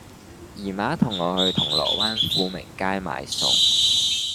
姨媽同我去銅鑼灣富明街買餸